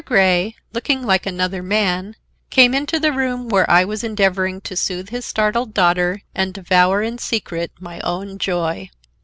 Grey, looking like another man, came into the room where I was endeavoring to soothe his startled daughter and devour in secret my own joy.